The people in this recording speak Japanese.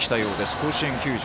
甲子園球場。